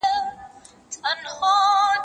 زه به د نوي لغتونو يادونه کړې وي!